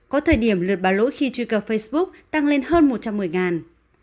có thời điểm lượt bà lỗi khi truy cập facebook tăng lên hơn một trăm một mươi